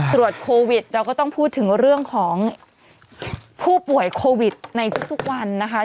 ตรวจโควิดเราก็ต้องพูดถึงเรื่องของผู้ป่วยโควิดในทุกวันนะคะ